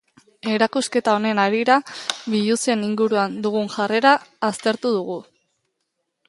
Erakusketa honen harira, biluzien inguruan dugun jarrera aztertu dugu.